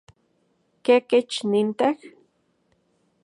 ¿Kekech nintej?